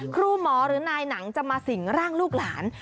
ครูหมอหรือนายหนังจะมาสิ่งร่างลูกหลาน